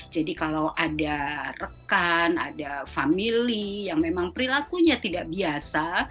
jadi kalau ada rekan ada family yang memang perilakunya tidak biasa